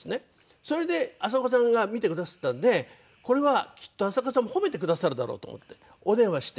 それで浅丘さんが見てくだすったんでこれはきっと浅丘さんも褒めてくださるだろうと思ってお電話して。